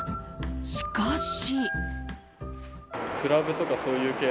しかし。